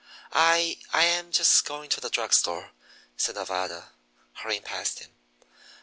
"I I am just going to the drug store," said Nevada, hurrying past him.